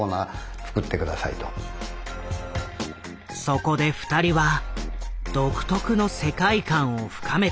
そこで二人は独特の世界観を深めていく。